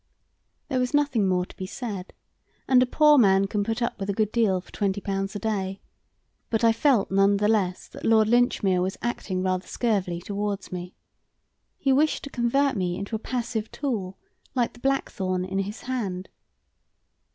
There was nothing more to be said, and a poor man can put up with a good deal for twenty pounds a day, but I felt none the less that Lord Linchmere was acting rather scurvily towards me. He wished to convert me into a passive tool, like the blackthorn in his hand.